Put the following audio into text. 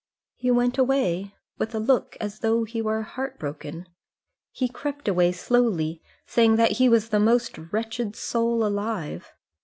"He went away, with a look as though he were heart broken. He crept away slowly, saying that he was the most wretched soul alive.